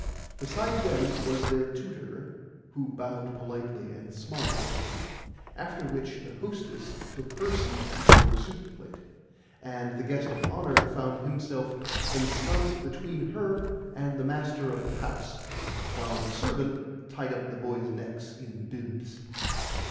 Beside them was their tutor, who bowed politely and smiled; after which the hostess took her seat before her soup plate, and the guest of honour found himself esconsed between her and the master of the house, while the servant tied up the boys' necks in bibs.